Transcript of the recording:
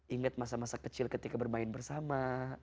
ingat masa masa kecil ketika bermain bersama